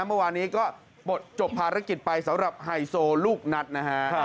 เมื่อวานนี้ก็จบภารกิจไปสำหรับไฮโซลูกนัดนะฮะ